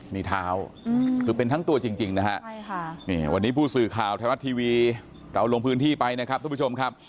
นี่เท้าคือเป็นทั้งตัวจริงนะฮะวันนี้ผู้สื่อข่าวไทยรัฐทีวีเราลงพื้นที่ไปนะครับทุกผู้ชมครับ